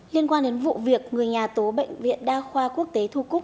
liên quan đến vụ việc người nhà tố bệnh viện đa khoa quốc tế thu cúc